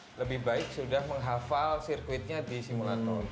jadi lebih baik sudah menghafal sirkuit mandalika ini dan ada adalah sembilan belas overcomeurs